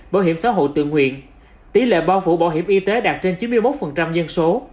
bảo hiểm xã hội tự nguyện tỷ lệ bao phủ bảo hiểm y tế đạt trên chín mươi một dân số